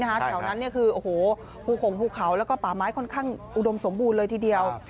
แถวนั้นคือโอ้โหภูขงภูเขาแล้วก็ป่าไม้ค่อนข้างอุดมสมบูรณ์เลยทีเดียว